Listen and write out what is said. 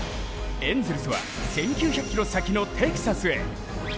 エンゼルスは、１９００ｋｍ先のテキサスへ。